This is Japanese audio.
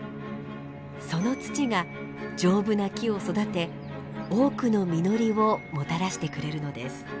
その土が丈夫な木を育て多くの実りをもたらしてくれるのです。